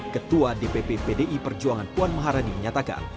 ketua dpp pdi perjuangan puan maharani menyatakan